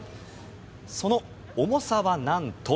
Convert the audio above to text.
その重さはなんと。